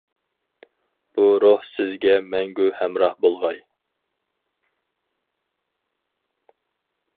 بۇ روھ سىزگە مەڭگۈ ھەمراھ بولغاي.